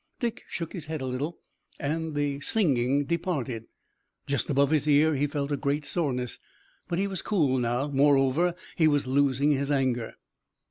Dick shook his head a little and the singing departed. Just above his ear he felt a great soreness, but he was cool now. Moreover, he was losing his anger.